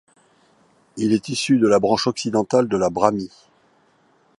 Il est issu de la branche occidentale de la brāhmī.